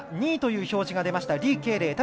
２位という表示が出ました李慧玲。